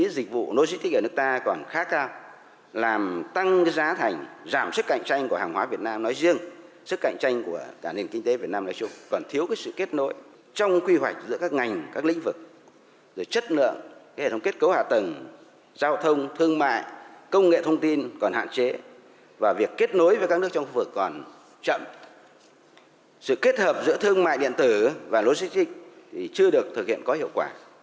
giữa thương mại điện tử và logistics thì chưa được thực hiện có hiệu quả